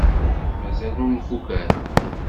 Mazal ur nfukk ara.